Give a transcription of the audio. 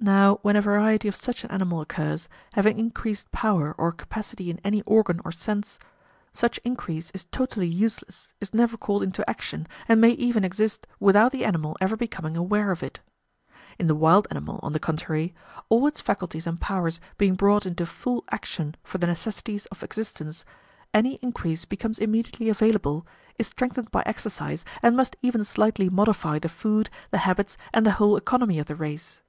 Now when a variety of such an animal occurs, having increased power or capacity in any organ or sense, such increase is totally useless, is never called into action, and may even exist without the animal ever becoming aware of it. In the wild animal, on the contrary, all its faculties and powers being brought into full action for the necessities of existence, any increase becomes immediately available, is strengthened by exercise, and must even slightly modify the food, the habits, and the whole economy of the race.